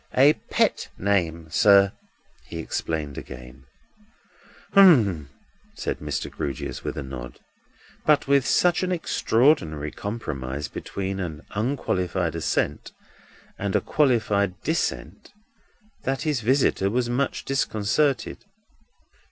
"A pet name, sir," he explained again. "Umps," said Mr. Grewgious, with a nod. But with such an extraordinary compromise between an unqualified assent and a qualified dissent, that his visitor was much disconcerted.